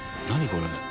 これ。